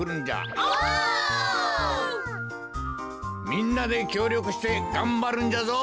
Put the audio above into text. みんなできょうりょくしてがんばるんじゃぞ。